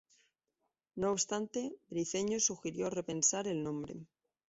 No obstante, Briceño sugirió repensar el nombre.